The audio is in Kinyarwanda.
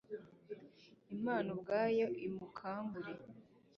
Imana ubwayo imukangure